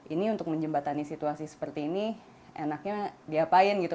ini untuk menjembatani situasi seperti ini enaknya diapain gitu